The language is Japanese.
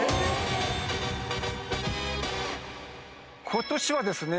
今年はですね